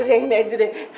ini aja deh